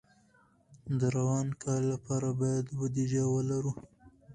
د روان کال لپاره باید بودیجه ولرو.